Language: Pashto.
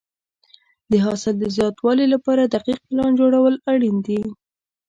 د حاصل د زیاتوالي لپاره دقیق پلان جوړول اړین دي.